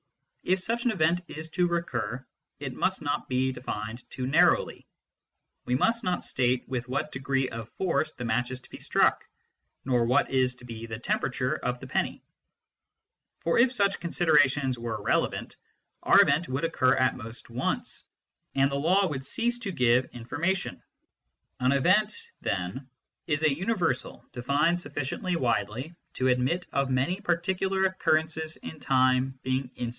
If such an event is to recur, it must not be denned too narrowly : we must not state with what degree of force the match is to be struck, nor what is to be the temperature of the penny. For if such con siderations were relevant, our " event " would occur at 1 Ttmr and Ftee Will. p. 202. ON THE NOTION OF CAUSE 187 most once, and the law would cease to give information. An " event," then, is a universal defined sufficiently widely to admit of many particular occurrences in time beingjnstaiic.